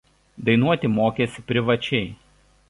Dainuoti mokėsi privačiai.